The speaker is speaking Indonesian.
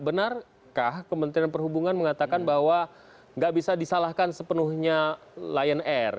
benarkah kementerian perhubungan mengatakan bahwa nggak bisa disalahkan sepenuhnya lion air